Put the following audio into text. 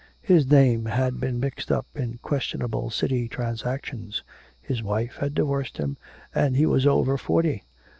His name had been mixed up in questionable city transactions; his wife had divorced him, and he was over forty...